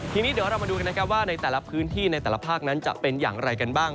ทีนี้เดี๋ยวเรามาดูกันนะครับว่าในแต่ละพื้นที่ในแต่ละภาคนั้นจะเป็นอย่างไรกันบ้าง